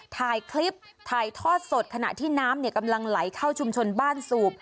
ถ่ายคลิปถ่ายทอดสดขณะที่น้ำกำลังไหลเข้าชุมชนบ้านสูบ